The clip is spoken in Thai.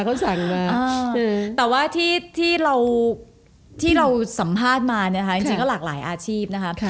แต่ว่าที่เราสัมภาษณ์มาจริงก็หลากหลายอาชีพนะครับ